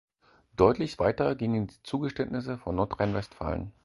Deutlich weiter gingen die Zugeständnisse von Nordrhein-Westfalen.